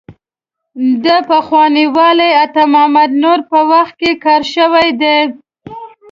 د پخواني والي عطا محمد نور په وخت کې کار شوی دی.